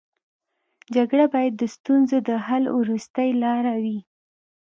جګړه باید د ستونزو د حل وروستۍ لاره وي